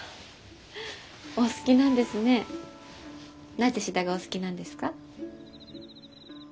なぜシダがお好きなんですか？